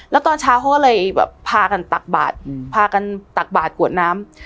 และตอนเช้าเขาก็เลยพากันตักบาดกวดน้ำ